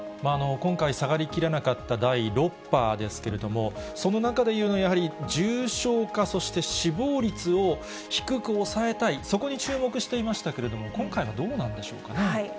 今回、下がりきらなかった第６波ですけれども、その中で重症化、そして死亡率を低く抑えたい、そこに注目していましたけれども、今回はどうなんでしょうかね。